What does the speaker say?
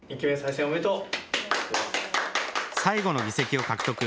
最後の議席を獲得。